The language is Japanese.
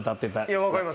分かります。